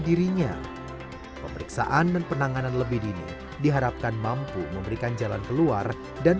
dirinya pemeriksaan dan penanganan lebih dini diharapkan mampu memberikan jalan keluar dan